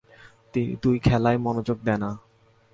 তুই খেলায় মনোযোগ দে না?